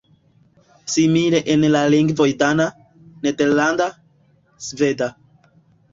Simile en la lingvoj dana, nederlanda, sveda.